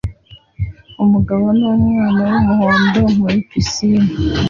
Umugabo n'umwana wumuhondo muri pisine